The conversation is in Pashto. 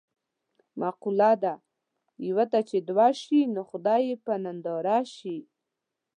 مقوله ده: یوه ته چې دوه شي نو خدای یې په ننداره شي.